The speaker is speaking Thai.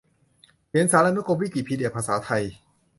เขียนสารานุกรมวิกิพีเดียภาษาไทย